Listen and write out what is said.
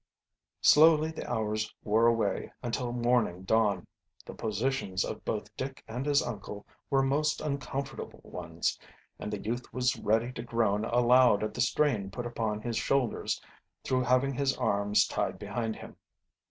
Slowly the hours wore away until morning dawned. The positions of both Dick and his uncle were most uncomfortable ones, and the youth was ready to groan aloud at the strain put upon his shoulders through having his arms tied behind him.